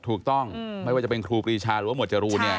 ถูกต้องไม่ว่าจะเป็นครูปรีชาหรือว่าหวดจรูนเนี่ย